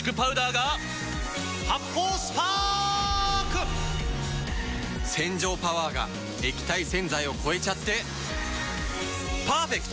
発泡スパーク‼洗浄パワーが液体洗剤を超えちゃってパーフェクト！